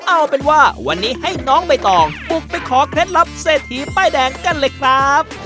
เอาเป็นว่าวันนี้ให้น้องใบตองบุกไปขอเคล็ดลับเศรษฐีป้ายแดงกันเลยครับ